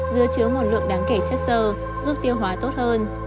dứa chứa một lượng đáng kể chất sơ giúp tiêu hóa tốt hơn